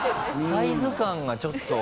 サイズ感がちょっと。